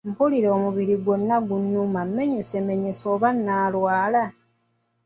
Mpulira omubiri gwonna gunnuma menyesemenyese oba naalwala?